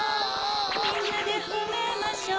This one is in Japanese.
みんなでほめましょ